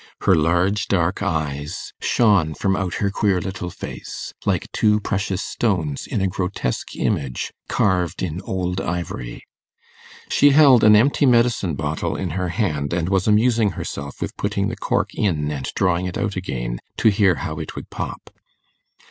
Her large dark eyes shone from out her queer little face, like two precious stones in a grotesque image carved in old ivory. She held an empty medicine bottle in her hand, and was amusing herself with putting the cork in and drawing it out again, to hear how it would pop.